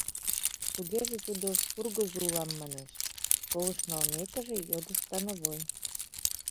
— Тугеже тудо, ургызо улам, манеш? — колышт налмекыже, йодо становой.